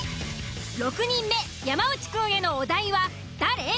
６人目山内くんへのお題は「誰？」。